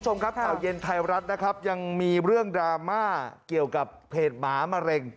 คุณผู้ชมครับข่าวเย็นไทยรัฐนะครับยังมีเรื่องดราม่าเกี่ยวกับเพจหมามะเร็ง